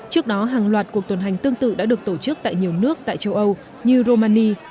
trước đó hàng loạt cuộc tuần hành tương tự đã được tổ chức tại nhiều nước tại châu âu như romani